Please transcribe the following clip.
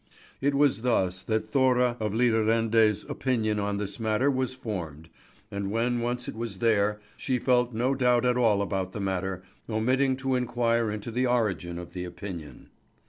It was thus that Thora of Lidarende's opinion on this matter was formed, and when once it was there, she felt no doubt at all about the matter, omitting to inquire into the origin of the opinion.